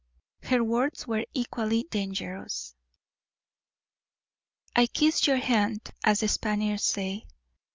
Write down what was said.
Her words were equally dangerous. "I kiss your hand, as the Spaniards say."